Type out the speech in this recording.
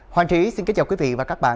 hoàng trí xin kính chào quý vị và các bạn